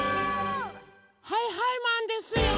はいはいマンですよ！